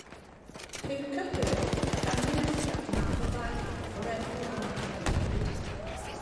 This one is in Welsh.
Ceir cyhyr ac amlinelliad math o ddail o'r enw rhomboid hefyd.